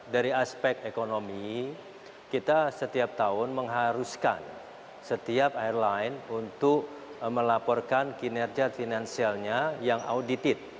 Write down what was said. dari aspek ekonomi kita setiap tahun mengharuskan setiap airline untuk melaporkan kinerja finansialnya yang audited